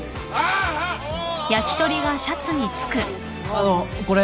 あのこれ。